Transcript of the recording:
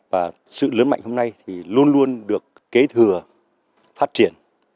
và sự lớn mạnh hôm nay thì luôn luôn được kế thừa phát triển